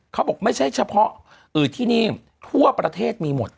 เขาบอกไม่ใช่เฉพาะที่นี่ทั่วประเทศมีหมด